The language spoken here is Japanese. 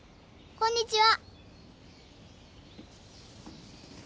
こんにちは。